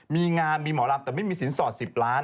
มีงานมีหมอลำแต่ไม่มีสินสอด๑๐ล้าน